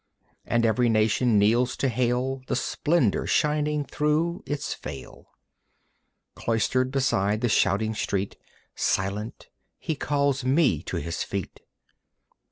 And every nation kneels to hail The Splendour shining through Its veil. Cloistered beside the shouting street, Silent, He calls me to His feet.